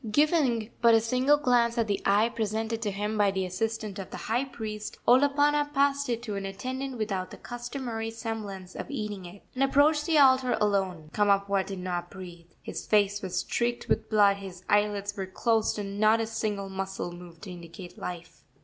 Giving but a single glance at the eye presented to him by the assistant of the high priest, Olopana passed it to an attendant without the customary semblance of eating it, and approached the altar alone. Kamapuaa did not breathe. His face was streaked with blood, his eyelids were closed, and not a single muscle moved to indicate life.